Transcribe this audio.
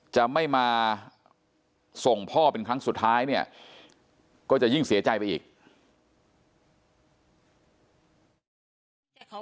จะไม่มาส่งพ่อเป็นครั้งสุดท้ายเนี่ยก็จะยิ่งเสียใจไปอีก